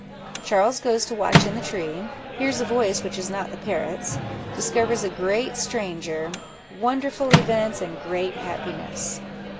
Charles goes to watch in the Tree—Hears a Voice, which is not the Parrot's—Discovers a great Stranger—Wonderful Events, and great Happiness.